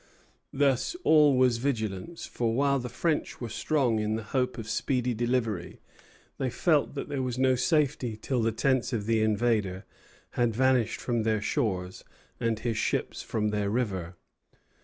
Thus all was vigilance; for while the French were strong in the hope of speedy delivery, they felt that there was no safety till the tents of the invader had vanished from their shores and his ships from their river.